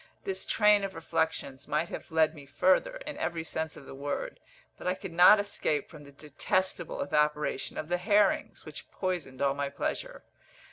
This train of reflections might have led me further, in every sense of the word; but I could not escape from the detestable evaporation of the herrings, which poisoned all my pleasure.